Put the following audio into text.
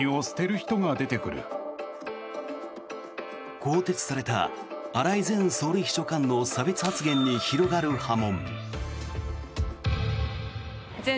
更迭された荒井前総理秘書官の差別発言に広がる波紋。